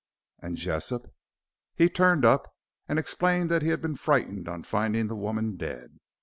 "And Jessop?" "He turned up and explained that he had been frightened on finding the woman dead.